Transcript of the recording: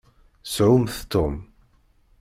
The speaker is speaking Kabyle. Shumt Tom!